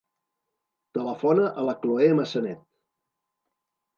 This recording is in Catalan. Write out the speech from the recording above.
Telefona a la Chloé Massanet.